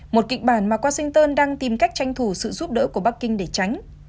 một kịch bản mà washington đang tìm cách tranh thủ sự giúp đỡ của bắc kinh để tránh